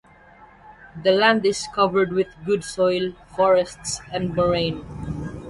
The land is covered with good soil, forests, and moraine.